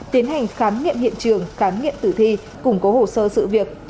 tiến hành khám nghiệm hiện trường khám nghiệm tử thi củng cố hồ sơ sự việc